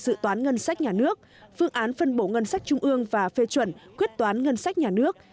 dự toán ngân sách nhà nước phương án phân bổ ngân sách trung ương và phê chuẩn quyết toán ngân sách nhà nước